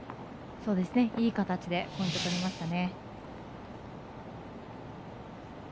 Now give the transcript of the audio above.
いい形でポイント取りましたね。